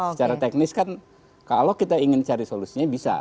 secara teknis kan kalau kita ingin cari solusinya bisa